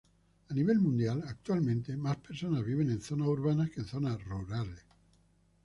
A nivel mundial, actualmente, más personas viven en zonas urbanas que en zonas rurales.